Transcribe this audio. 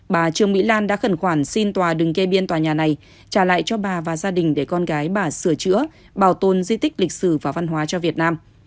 bà trương mỹ lan đã khẩn khoản xin tòa đừng kê biên tòa nhà này trả lại cho bà và gia đình để con gái bà sửa chữa bảo tồn di tích lịch sử và văn hóa cho việt nam